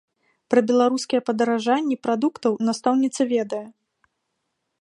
Пра беларускія падаражанні прадуктаў настаўніца ведае.